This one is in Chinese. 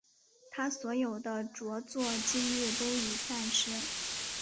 他所有的着作今日都已散失。